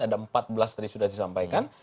ada empat belas tadi sudah disampaikan